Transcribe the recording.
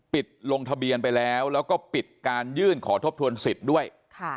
ลงทะเบียนไปแล้วแล้วก็ปิดการยื่นขอทบทวนสิทธิ์ด้วย